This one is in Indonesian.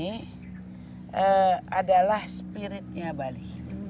ini adalah spiritnya bali